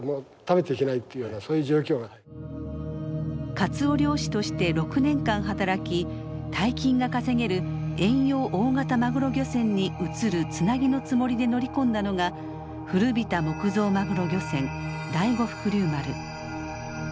カツオ漁師として６年間働き大金が稼げる遠洋大型マグロ漁船に移るつなぎのつもりで乗り込んだのが古びた木造マグロ漁船第五福竜丸。